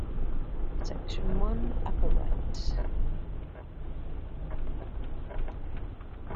Section One - Upper Right.